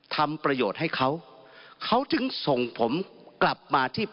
ทำประโยชน์ให้เขาเขาจึงส่งผมกลับมาที่